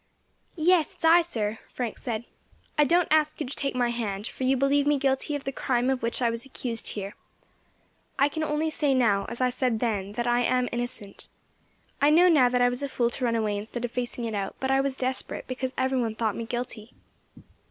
"Yes, it's I, sir," Frank said; "I don't ask you to take my hand, for you believe me guilty of the crime of which I was accused here. I can only say now, as I said then, that I am innocent. I know now that I was a fool to run away instead of facing it out, but I was desperate, because every one thought me guilty."